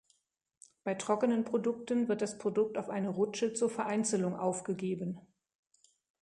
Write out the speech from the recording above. Bei trockenen Produkten wird das Produkt auf eine Rutsche zur Vereinzelung aufgegeben.